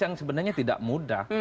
yang sebenarnya tidak mudah